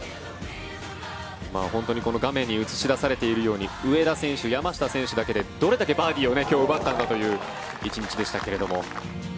本当に画面に映し出されているように上田選手、山下選手だけでどれだけバーディーを今日、奪ったんだという１日でしたけれども。